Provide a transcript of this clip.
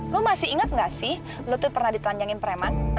lo masih ingat gak sih lo tuh pernah ditelanjangin preman